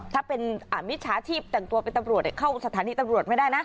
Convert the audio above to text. ถ้าเป็นมิจฉาชีพแต่งตัวเป็นตำรวจเข้าสถานีตำรวจไม่ได้นะ